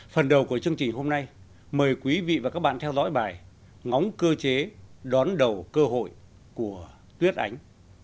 phần đầu của chương trình hôm nay mời quý vị và các bạn theo dõi bài ngóng cơ chế đón đầu cơ hội của tuyết ánh